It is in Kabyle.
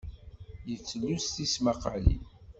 Yettlus tismaqalin.